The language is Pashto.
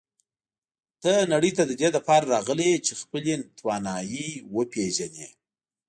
ته نړۍ ته د دې لپاره راغلی یې چې خپلې توانایی وپېژنې.